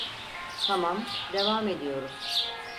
Tamam, devam ediyoruz.